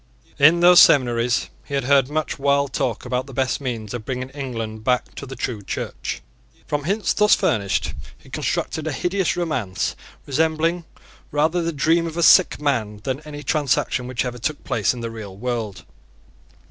In those seminaries he had heard much wild talk about the best means of bringing England back to the true Church. From hints thus furnished he constructed a hideous romance, resembling rather the dream of a sick man than any transaction which ever took place in the real world.